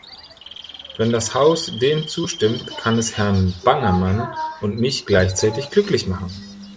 Wenn das Haus dem zustimmt, kann es Herrn Bangemann und mich gleichzeitig glücklich machen.